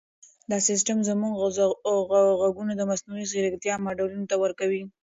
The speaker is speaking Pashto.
دا سیسټم زموږ ږغونه د مصنوعي ځیرکتیا ماډلونو ته ورکوي.